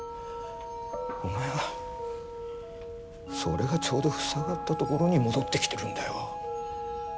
お前はそれがちょうど塞がったところに戻ってきてるんだよ。